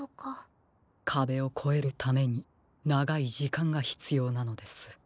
かべをこえるためにながいじかんがひつようなのです。